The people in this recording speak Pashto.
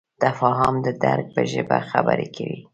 تفاهم د درک په ژبه خبرې کوي.